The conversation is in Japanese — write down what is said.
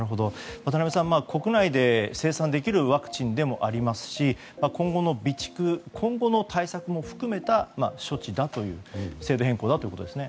渡辺さん、国内で生産できるワクチンでもありますし今後の備蓄、対策も含めた処置という制度変更だということですね。